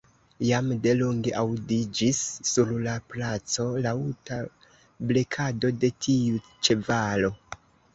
Jam de longe aŭdiĝis sur la placo laŭta blekado de tiu ĉevalo.